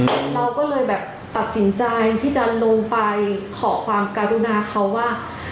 เราก็เลยแบบตัดสินใจที่จะลงไปขอความกรุณาเขาว่า